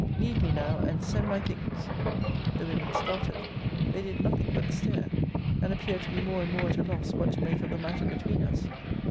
Leave me now, and send my things. The women started. They did nothing but stare; and appeared to be more and more at a loss what to make of the matter between us.